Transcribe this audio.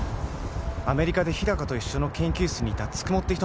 「アメリカで日高と一緒の研究室にいた九十九って人」